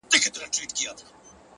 پرمختګ د ننني نظم حاصل دی